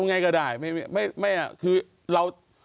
ไงก็ได้ไม่คือเรา